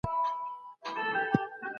موږ د حل لاري په لټه کي وو.